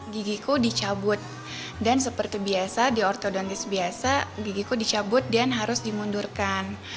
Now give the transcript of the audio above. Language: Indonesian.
gigiku dicabut dan seperti biasa di ortodontis biasa gigiku dicabut dan harus dimundurkan